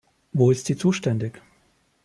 Wo ist sie zuständig?